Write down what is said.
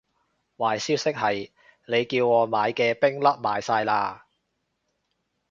壞消息係，你叫我買嘅冰粒賣晒喇